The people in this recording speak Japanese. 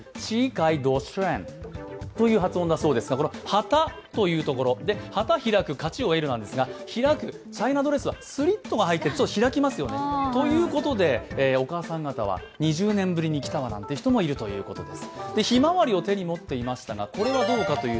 旗というところ、旗開く、勝ちを得るということなんですがチャイナドレスはスリットがあって開きますよね。ということで、お母さん方は２０年ぶりに着たわという人もいるそうです。